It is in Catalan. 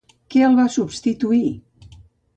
Què el va substituir?